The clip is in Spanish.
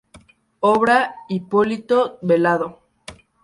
Obra: Hipólito Velado.